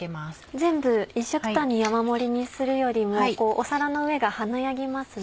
全部一緒くたに山盛りにするよりも皿の上が華やぎますね。